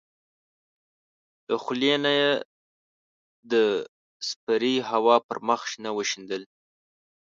له خولې نه یې د سپېرې هوا پر مخ شنه وشیندل.